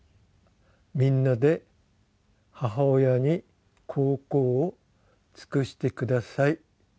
「みんなで母親に孝行を尽くしてください」